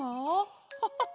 ハハハ